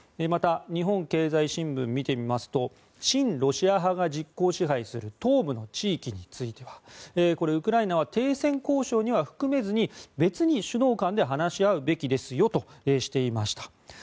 また、日本経済新聞を見てみますと親ロシア派が実効支配する東部の地域についてはウクライナは停戦交渉には含めずに別に首脳間で話し合うべきですよとしていました。